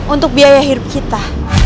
untuk biaya hidup kita